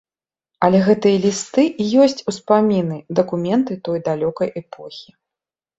Але гэтыя лісты і ёсць ўспаміны, дакументы той далёкай эпохі.